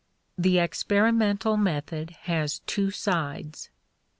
The experimental method has two sides.